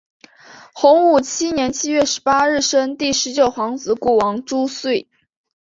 洪武七年七月十八日生第十九皇子谷王朱橞。